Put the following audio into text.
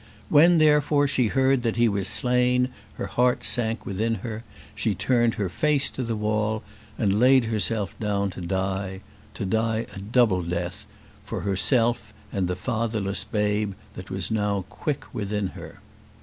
When, therefore, she heard that he was slain, her heart sank within her; she turned her face to the wall, and laid herself down to die: to die a double death, for herself and the fatherless babe that was now quick within her.